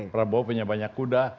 prabowo punya banyak kuda